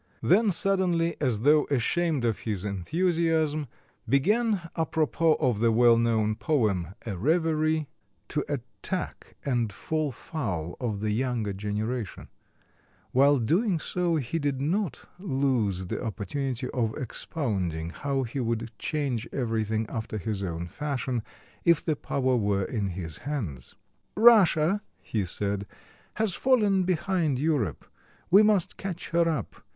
Then suddenly, as though ashamed of his enthusiasm, began, à propos of the well known poem, "A Reverie," to attack and fall foul of the younger generation. While doing so he did not lose the opportunity of expounding how he would change everything after his own fashion, if the power were in his hands. "Russia," he said, "has fallen behind Europe; we must catch her up.